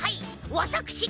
わたくしが。